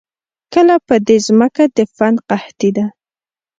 کله په دې زمکه د فن قحطي ده